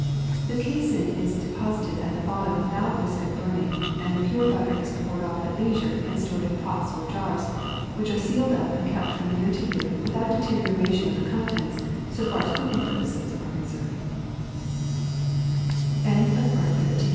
The casein is deposited at the bottom with out risk of burning, and the pure butter is poured off at leisure and stored in pots or jars, which are sealed up and kept from year to year without deterioration of the contents, so far as cooking purp